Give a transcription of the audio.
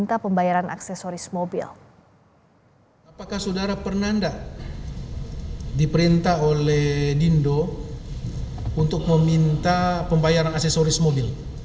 apakah saudara pernanda diperintah oleh dindo untuk meminta pembayaran aksesoris mobil